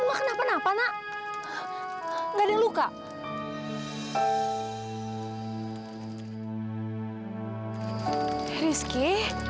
mudah masih slide ini oke